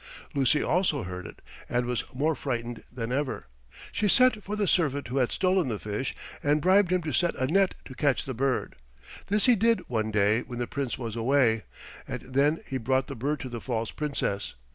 Lucy also heard it and was more frightened than ever. She sent for the servant who had stolen the fish and bribed him to set a net to catch the bird. This he did one day when the Prince was away, and then he brought the bird to the false Princess.